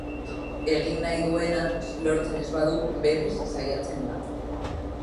Egin nahi duena lortzen ez badu, berriz saiatzen da.